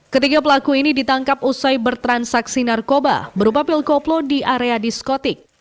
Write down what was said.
ketiga pelaku ini ditangkap usai bertransaksi narkoba berupa pil koplo di area diskotik